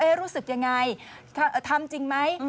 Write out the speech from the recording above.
เอ๊ะรู้สึกอย่างไรทำจริงไหม